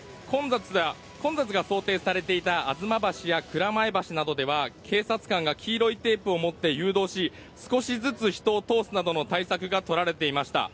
混雑が想定されていた吾妻橋や蔵前橋などでは、警察官が黄色いテープを持って誘導し、少しずつ人を通すなどの対策がとられていました。